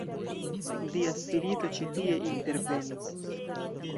Dia spirito ĉi tie intervenis.